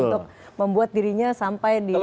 untuk membuat dirinya sampai di